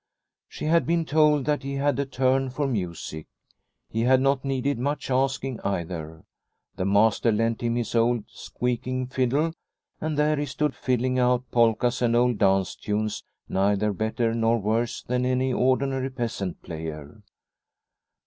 She had been told that he had a turn for music. He had not needed much asking either. The master lent him his old squeaking fiddle, and there he stood fiddling out polkas and old dance tunes neither better nor worse than any ordinary peasant player.